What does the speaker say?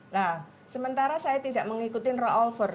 nah sementara saya tidak mengikuti ruyolver